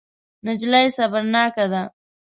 نجلۍ صبرناکه ده.